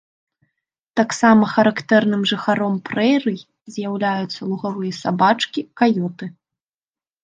Таксама характэрным жыхаром прэрый з'яўляюцца лугавыя сабачкі, каёты.